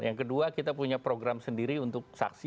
yang kedua kita punya program sendiri untuk saksi